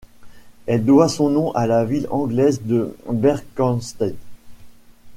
Elle doit son nom à la ville anglaise de Berkhamsted.